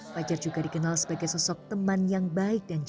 fajar juga dikenal sebagai sosok teman yang baik dan jujur